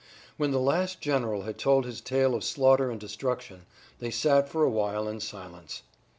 When the last general had told his tale of slaughter and destruction, they sat for a while in silence.